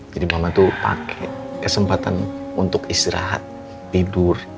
jadi mama tuh pake kesempatan untuk istirahat tidur